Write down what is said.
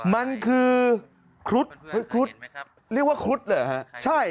มันคือครุฑครุฑเรียกว่าครุฑเหรอฮะใช่